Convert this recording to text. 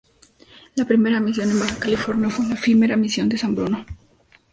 La primera misión en Baja California fue la efímera Misión de San Bruno.